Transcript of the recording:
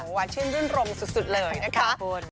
หวานชื่นรื่นรมสุดเลยนะคะคุณ